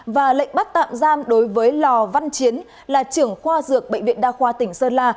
và lệnh bắt tạm giam đối với lò văn chiến là trưởng khoa dược bệnh viện đa khoa tỉnh sơn la